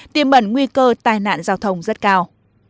tiêm bẩn nguy cơ tai nạn giao thông rất cao